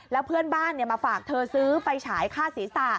แล้วเพื่อนบ้านมาฝากเธอซื้อไฟฉายค่าศีรษะ